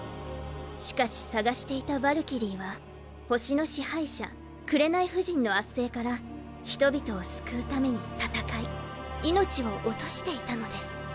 しかし捜していたヴァルキリーは星の支配者・紅婦人の圧政から人々を救うために戦い命を落としていたのです。